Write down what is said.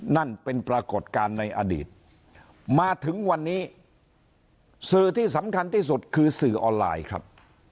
นั่นเป็นปรากฏการณ์ในอดีตมาถึงวันนี้สื่อที่สำคัญที่สุดคือสื่อออนไลน์ครับ